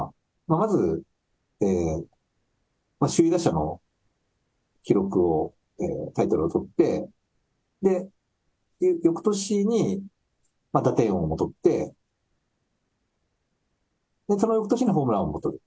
まず、首位打者の記録を、タイトルを取って、で、よくとしに打点王もとって、そのよくとしにホームラン王も取る。